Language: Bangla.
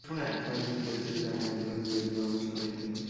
সামগ্রিক পরিস্থিতি তাকে জ্ঞাত করে জরুরী পরামর্শ চাইতেন।